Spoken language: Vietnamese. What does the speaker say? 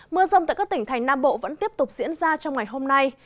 mưa rông tại các tỉnh thành nam bộ vẫn tiếp tục diễn ra trong ngày hôm nay